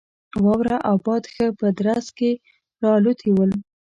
واوره او باد ښه په درز کې را الوتي ول.